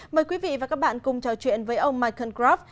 mời quý vị và các bạn cùng trò chuyện với ông michael kroff